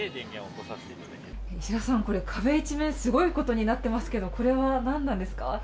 石田さん、壁一面すごいことになってますけどこれは何なんですか？